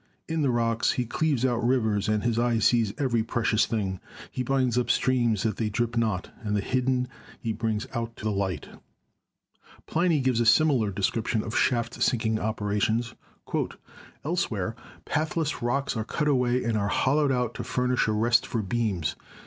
In the rocks, he cleaves out rivers ; and his eye sees every precious thing. He binds up streams that they drip not; and the hidden he brings out to light." Pliny gives a similar description of shaft sinking opera tions : "Elsewhere pathless rocks are cut away, and are hollowed out to furnish a rest for beams.